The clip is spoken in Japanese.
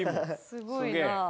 すごいなあ。